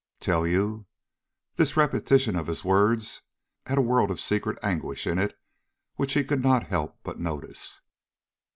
"Tell you?" This repetition of his words had a world of secret anguish in it which he could not help but notice.